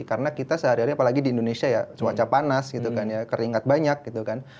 karena kita sehari hari apalagi di indonesia ya cuaca panas gitu kan keringat banyak gitu kan